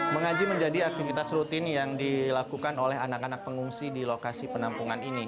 mengaji menjadi aktivitas rutin yang dilakukan oleh anak anak pengungsi di lokasi penampungan ini